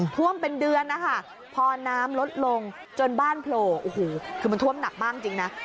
ท่วมเป็นเดือนนะคะพอน้ำลดลงจนบ้านโผล่โอ้โหคือมันท่วมหนักมากจริงนะ